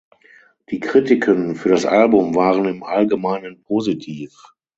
Die Kritiken für das Album waren im Allgemeinen positiv.